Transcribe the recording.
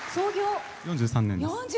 ４３年です。